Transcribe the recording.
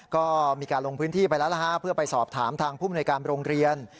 ก็มีการลงพื้นที่ไปแล้วนะฮะเพื่อไปสอบถามทางผู้มนุยการโรงเรียน